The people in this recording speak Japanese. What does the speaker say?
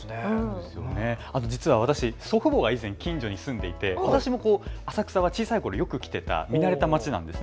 実は私、祖父母が以前、近所に住んでいて私も浅草は小さいころ来ていた見慣れた街なんです。